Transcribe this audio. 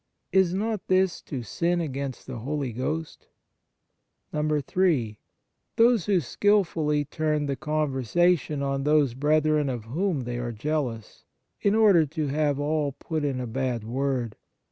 Is not this to sin against the Holy Ghost? (3) Those who skilfully turn the conversation on those brethren of whom they are jealous, in order to have all put in a bad word.